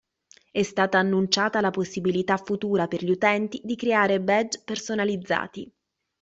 È stata annunciata la possibilità futura per gli utenti di creare badge personalizzati.